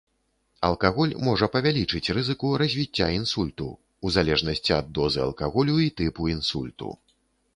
Алкаголь можа павялічыць рызыку развіцця інсульту, у залежнасці ад дозы алкаголю і тыпу інсульту.